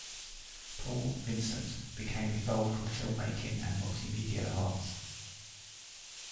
Paul, Vincent became involved with film-making and multimedia arts.